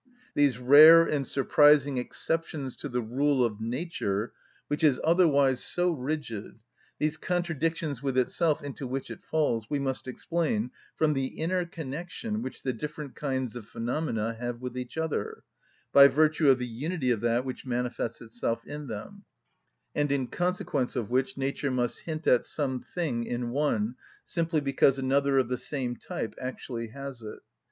These rare and surprising exceptions to the rule of nature, which is otherwise so rigid, these contradictions with itself into which it falls, we must explain from the inner connection which the different kinds of phenomena have with each other, by virtue of the unity of that which manifests itself in them, and in consequence of which nature must hint at some thing in one, simply because another of the same type actually has it.